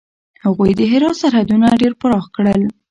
هغوی د هرات سرحدونه ډېر پراخه کړل.